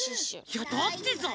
いやだってさ。